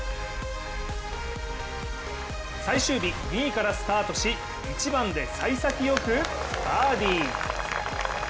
最終日２位からスタートし１番でさい先よくバーディー。